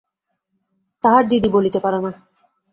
তাহার দিদি বলিতে পারে না।